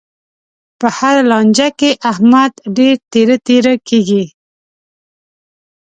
په هره لانجه کې، احمد ډېر تېره تېره کېږي.